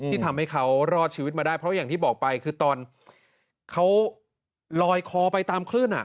ที่ทำให้เขารอดชีวิตมาได้เพราะอย่างที่บอกไปคือตอนเขาลอยคอไปตามคลื่น